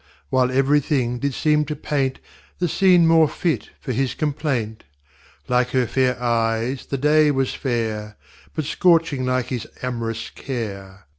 While ev'ry thing did seem to paint The Scene more fit for his complaint. Like her fair Eyes the day was fair; But scorching like his am'rous Care.